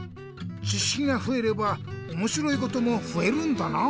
ちしきがふえればおもしろいこともふえるんだな。